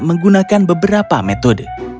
menggunakan beberapa metode